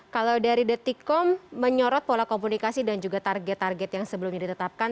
kalau dari detikom menyorot pola komunikasi dan juga target target yang sebelumnya ditetapkan